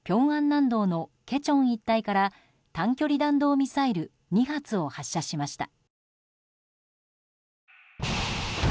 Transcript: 南道のケチョン一帯から短距離弾道ミサイル２発を発射しました。